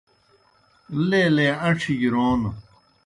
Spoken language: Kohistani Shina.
لیلے اݩڇھہ گیْ رون